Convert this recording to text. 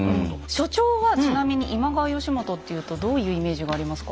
所長はちなみに今川義元っていうとどういうイメージがありますか？